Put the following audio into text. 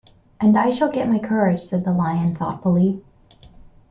"And I shall get my courage," said the Lion, thoughtfully.